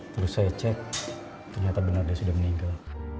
terus saya cek ternyata benar dia sudah meninggal